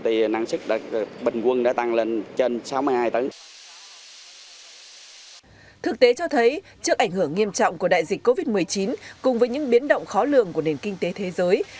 thực tế cho thấy trước ảnh hưởng nghiêm trọng của đại dịch covid một mươi chín cùng với những biến động khó lường của nền kinh tế thế giới